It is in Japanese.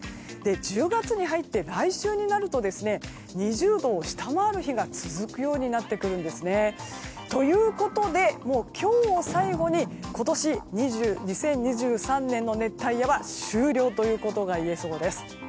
１０月に入って来週になると２０度を下回る日が続くようになってくるんですね。ということで今日を最後に今年２０２３年の熱帯夜は終了ということが言えそうです。